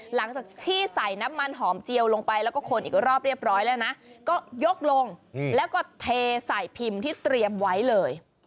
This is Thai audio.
หลังจากที่ใส่น้ำมันหอมเจียวลงไปแล้วก็คนอีกรอบเรียบร้อยแล้วนะก็ยกลงแล้วก็เทใส่พิมพ์ที่เตรียมไว้เลย